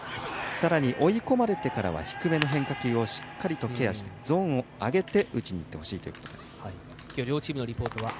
さらに追い込まれてからは低めの変化球をゾーンを上げて打ちにいってほしいという話でした。